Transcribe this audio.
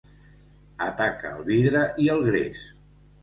Ataca el vidre i el gres.